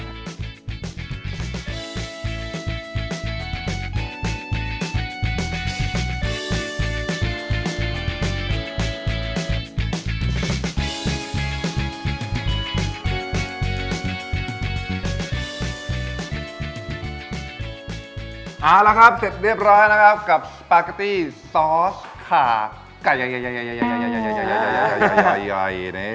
เอาละครับเสร็จเรียบร้อยนะครับกับปาร์กาตี้ซอสค่าไก่